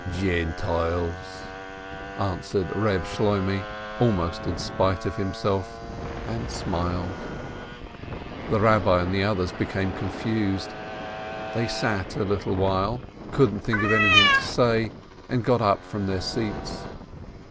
"Gentiles!" answered Eeb Shloimeh, almost in spite of himself, and smiled. The Eabbi and the others became confused. They sat a little while, couldn't think of anything to say, and got up from their seats.